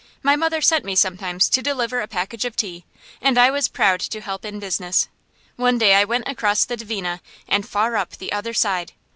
My mother sent me sometimes to deliver a package of tea, and I was proud to help in business. One day I went across the Dvina and far up "the other side."